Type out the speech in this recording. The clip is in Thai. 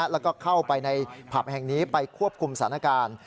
แล้วก็เข้าไปในผับแห่งนี้ไปควบคุมสถานการณ์